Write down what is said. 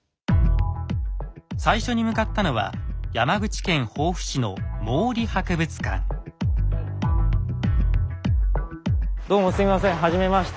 最初に向かったのは山口県防府市のどうもすいませんはじめまして。